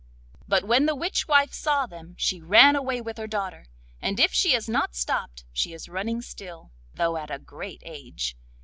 But when the witch wife saw them she ran away with her daughter, and if she has not stopped she is running still, though at a great age.